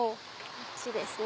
こっちですね。